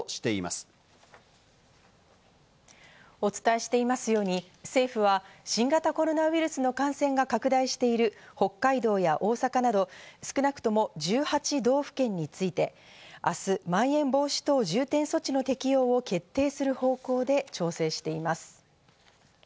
お伝えしていますように、政府は新型コロナウイルスの感染が拡大している北海道や大阪など、少なくとも１８道府県について明日、まん延防止等重点措置の適用を決定する方向で調整しています。